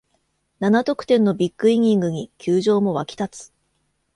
七得点のビッグイニングに球場も沸き立つ